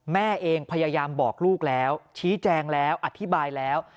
แม่เองพยายามบอกลูกแล้วชี้แจงแล้วอธิบายแล้ว